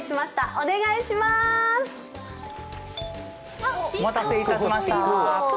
お待たせいたしました。